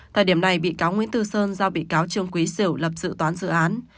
thời điểm này bị cáo nguyễn tư sơn giao bị cáo trương quý xỉu lập dự toán dự án